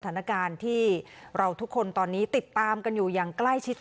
สถานการณ์ที่เราทุกคนตอนนี้ติดตามกันอยู่อย่างใกล้ชิด